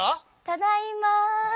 ただいま。